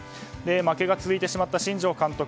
負けが続いてしまった新庄監督